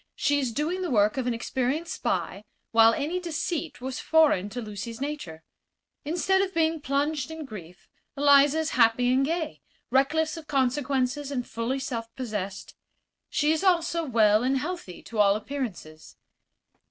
She is doing the work of an experienced spy, while any deceit was foreign to Lucy's nature. Instead of being plunged in grief Eliza is happy and gay, reckless of consequences and fully self possessed. She is also well and healthy, to all appearances.